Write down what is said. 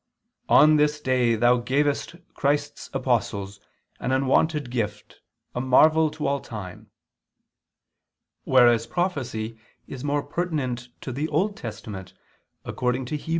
_ Cf. Migne, Patr. Lat. tom. CXLI]: "On this day Thou gavest Christ's apostles an unwonted gift, a marvel to all time": whereas prophecy is more pertinent to the Old Testament, according to Heb.